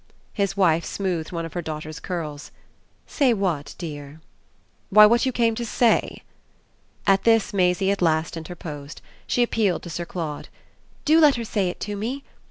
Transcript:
His wife smoothed one of her daughter's curls. "Say what, dear?" "Why what you came to say." At this Maisie at last interposed: she appealed to Sir Claude. "Do let her say it to me."